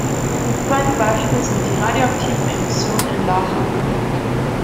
Das zweite Beispiel sind die radioaktiven Emissionen in La Hague.